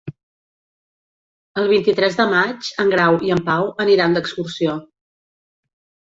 El vint-i-tres de maig en Grau i en Pau aniran d'excursió.